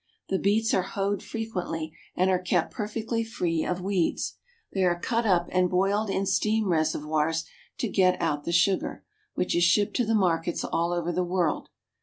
The beets are hoed frequently and are kept perfectly free of weeds. They are cut up and boiled in steam reservoirs to get out the sugar, which is shipped to the markets all over the world.